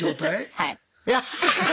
はい。